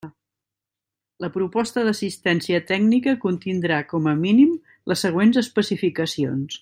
La proposta d'assistència tècnica contindrà com a mínim, les següents especificacions.